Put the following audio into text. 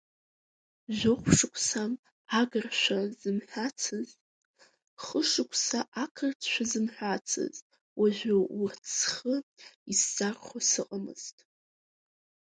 Жәохә шықәса агыршәа зымҳәацыз, хышықәса ақырҭшәа зымҳәацыз уажәы урҭ схы исзархәо сыҟамызт.